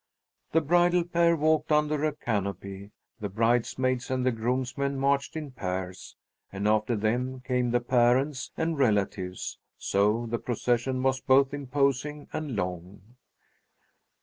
The bridal pair walked under a canopy, the bridesmaids and the groomsmen marched in pairs, and after them came the parents and relatives; so the procession was both imposing and long.